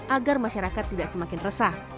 agar masyarakat tidak semakin resah